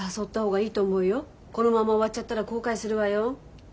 このまま終わっちゃったら後悔するわよ。